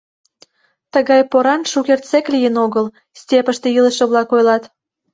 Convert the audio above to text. — Тыгай поран шукертсек лийын огыл, - степьыште илыше-влак ойлат.